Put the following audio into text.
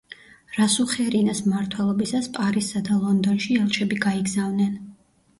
რასუხერინას მმართველობისას პარიზსა და ლონდონში ელჩები გაიგზავნენ.